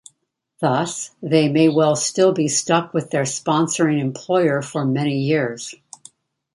Thus, they may well still be stuck with their sponsoring employer for many years.